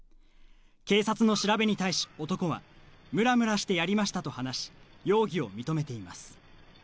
警察の調べに対し、男はムラムラしてやりましたと話し容疑を認めています。